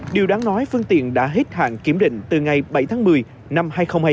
điều đáng nói phương tiện đã hết hạn kiểm định từ ngày bảy tháng một mươi năm hai nghìn hai mươi